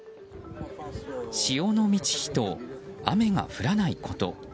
潮の満ち干と雨が降らないこと。